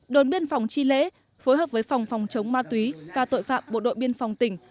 đồn biên phòng chi lễ phối hợp với phòng phòng chống ma túy và tội phạm bộ đội biên phòng tỉnh